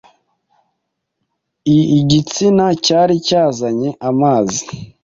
iigitsina cyari cyazanye amazi,